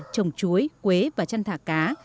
trồng chuối quế và chăn thả cá